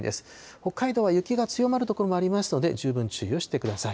北海道は雪が強まる所もありますので、十分注意をしてください。